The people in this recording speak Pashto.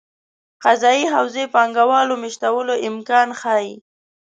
قضايي حوزې پانګه والو مېشتولو امکان ښيي.